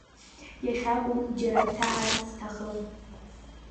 Иахьакәым џьара бҭаҳар сҭахым.